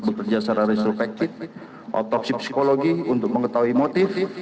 pada saat kita mulai semangat